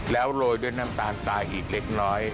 แล้วโรยด้วยน้ำตาลทรายอีกเล็กน้อย